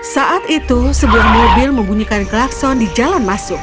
saat itu sebuah mobil membunyikan klakson di jalan masuk